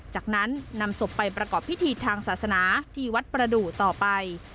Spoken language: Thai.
จากนั้นนำศพไปประกอบพิธีทางศาสนาที่วัดประดูกต่อไป